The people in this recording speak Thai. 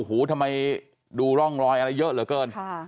ทำไมดูร่องรอยอะไรเยอะเหลือเกิน